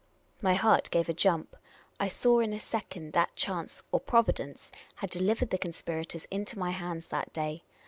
My heart gave a jump. I saw in a second that chance, or Providence, had delivered the conspirators into my hands that day.